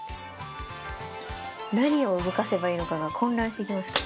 何を動かせばいいのかが混乱してきます。